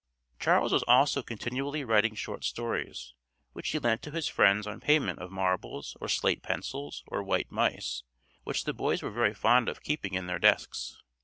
Charles was also continually writing short stories, which he lent to his friends on payment of marbles or slate pencils or white mice, which the boys were very fond of keeping in their desks.